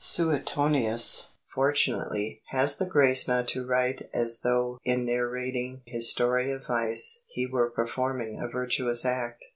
Suetonius, fortunately, has the grace not to write as though in narrating his story of vice he were performing a virtuous act.